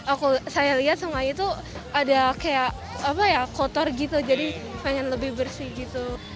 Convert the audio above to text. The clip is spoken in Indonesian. aku saya lihat semuanya tuh ada kayak apa ya kotor gitu jadi pengen lebih bersih gitu